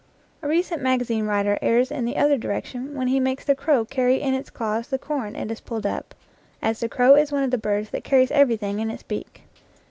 A recent magazine writer errs in the other di rection when he makes the crow carry in its claws the corn it has pulled up, as the crow is one of the birds that carries everything in its beak.